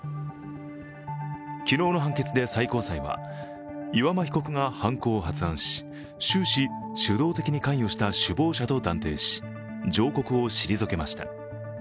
昨日の判決で最高裁は岩間被告が犯行を発案し終始、主導的に関与した首謀者と断定し、上告を退けました